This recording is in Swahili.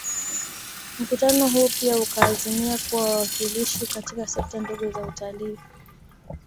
Mkutano huu pia ukaazimia kuwa wawakilishi katika sekta ndogo za utalii